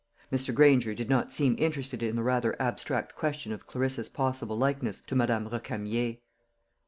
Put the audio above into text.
Mr. Granger did not seem interested in the rather abstract question of Clarissa's possible likeness to Madame Recamier.